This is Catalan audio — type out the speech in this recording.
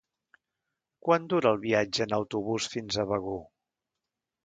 Quant dura el viatge en autobús fins a Begur?